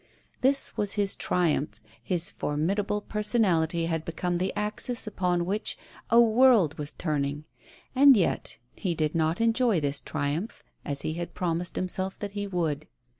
This was his triumph, his formidable per sonality had become the axis upon which a world was A SPOILED TRItTMPH. 89 turning. And yet lie did not enjoy this triumph, as he had promised himself that he would.